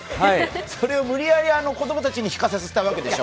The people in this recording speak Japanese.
それを無理やり子供たちに歌わせたわけでしょ。